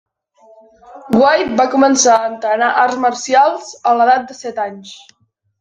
White va començar a entrenar arts marcials a l'edat de set anys.